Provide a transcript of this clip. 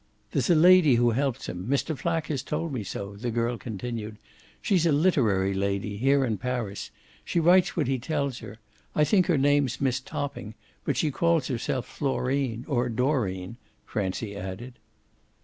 "There's a lady who helps him Mr. Flack has told me so," the girl continued. "She's a literary lady here in Paris she writes what he tells her. I think her name's Miss Topping, but she calls herself Florine or Dorine," Francie added.